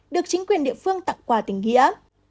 được chính quyền địa phương tặng quà tình nghĩa